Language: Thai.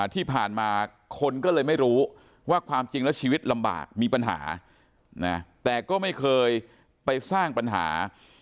ที่ผ่านมาคนก็เลยไม่รู้ว่าความจริงแล้วชีวิตลำบากมีปัญหา